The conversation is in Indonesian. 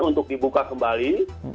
untuk dibuka kembali